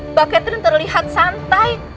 mbak katrin terlihat santai